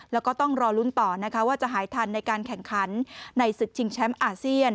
แล้วก็ต้องรอลุ้นต่อนะคะว่าจะหายทันในการแข่งขันในศึกชิงแชมป์อาเซียน